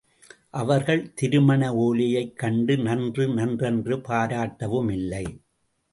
அவர்கள் திருமண ஒலையைக் கண்டு நன்று நன்றென்று பாராட்டவுமில்லை.